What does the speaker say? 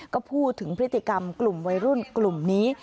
ก็พูดถึงพฤติกรรมกลุ่มวัยรุ่นกลุ่มนี้